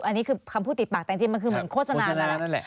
อันนี้คือคำพูดติดปากแต่จริงมันคือเหมือนโฆษณานั่นแหละ